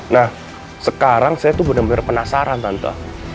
nah sekarang saya tuh bener bener penasaran tante